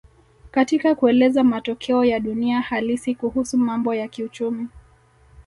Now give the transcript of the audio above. Katika kueleza matokeo ya dunia halisi kuhusu mambo ya kiuchumi